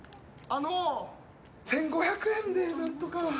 あの１，５００円で何とか。